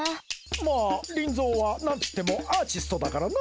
まあリンゾーはなんつってもアーチストだからな。